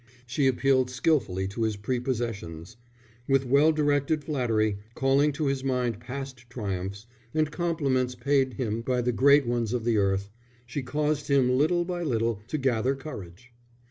She appealed skilfully to his prepossessions. With well directed flattery, calling to his mind past triumphs, and compliments paid him by the great ones of the earth, she caused him little by little to gather courage.